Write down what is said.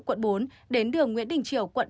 quận bốn đến đường nguyễn đình triều quận ba